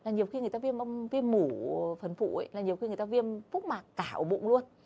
nhiều khi người ta viêm mủ phần phụ nhiều khi người ta viêm phúc mạc cả ổ bụng luôn